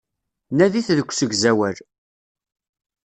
Nadit deg usegzawal.